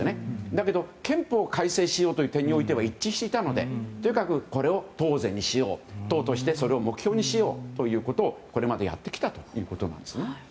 だけど、憲法を改正しようという点においては一致していたのでとにかく、これを党是にしよう党としてそれを目標にしようということをこれまでやってきたんですね。